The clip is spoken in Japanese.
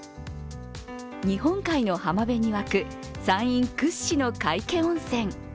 日本海の浜辺に湧く山陰屈指の皆生温泉。